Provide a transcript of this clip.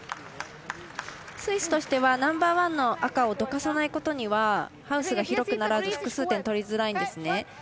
スイスとしてはナンバーワンの赤をどかさないことにはハウスが広くならず複数点、取りづらいんですね。